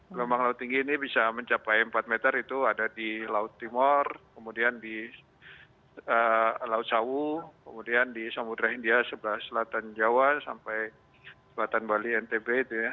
gelombang laut tinggi ini bisa mencapai empat meter itu ada di laut timur kemudian di laut sawu kemudian di samudera india sebelah selatan jawa sampai selatan bali ntb itu ya